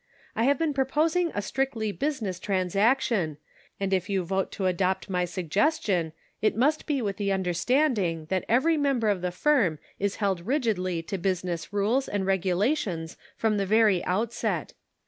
I have been proposing a strictly business trans action, and if you vote to adopt my suggestion it must be with the understanding that every member of the firm is held rigidly to business rules and regulations from the very outset.